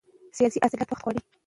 سیاسي اصلاحات وخت غواړي